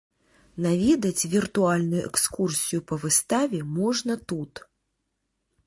Наведаць віртуальную экскурсію па выставе можна тут.